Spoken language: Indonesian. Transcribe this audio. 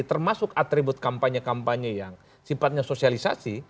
termasuk atribut kampanye kampanye yang sifatnya sosialisasi